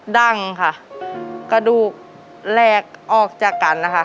ดั้งค่ะกระดูกแรกออกจากกันนะคะ